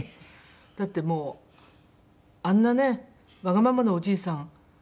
だってもうあんなねわがままなおじいさん